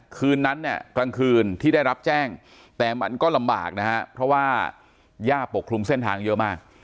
คืนนั้นเนี่ยกลางคืนที่ได้รับแจ้งแต่มันก็ลำบากนะฮะเพราะว่าย่าปกคลุมเส้นทางเยอะมาก